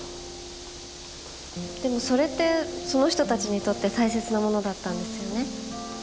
でもそれってその人たちにとって大切なものだったんですよね？